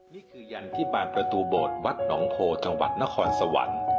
ยันที่บางประตูโบสถวัดหนองโพจังหวัดนครสวรรค์